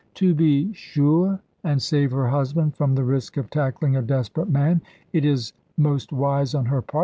"To be sure, and save her husband from the risk of tackling a desperate man. It is most wise on her part.